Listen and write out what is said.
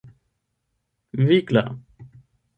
vigla